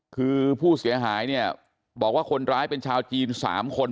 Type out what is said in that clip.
คือผู้เสียหายเนี่ยบอกว่าคนร้ายเป็นชาวจีน๓คน